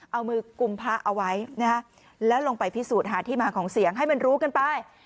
เอามือกุมพระเอาไว้แล้วลงไปพิสูจน์หาที่มาของเสียงให้มันรู้กันไป